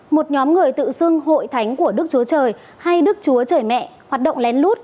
một nhóm người tự xưng hội thánh của đức chúa trời hay đức chúa trời mẹ hoạt động lén lút